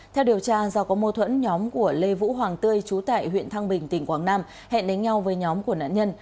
theo điều tra do có mô thuẫn nhóm của lê vũ hoàng tươi chú tại huyện thăng bình tỉnh quảng nam hẹn đến nhau với nhóm của nạn nhân